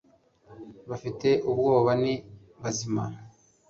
bafite ubwoba ni bazima